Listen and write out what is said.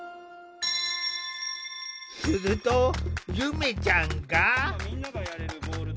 するとゆめちゃんが。